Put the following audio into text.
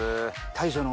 大将の。